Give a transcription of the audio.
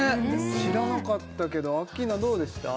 知らなかったけどアッキーナどうでした？